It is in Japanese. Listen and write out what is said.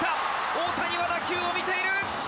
大谷は打球を見ている。